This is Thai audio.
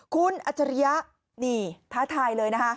คุณอัจริยะท้าทายเลยนะครับ